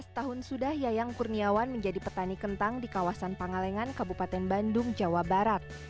tujuh belas tahun sudah yayang kurniawan menjadi petani kentang di kawasan pangalengan kabupaten bandung jawa barat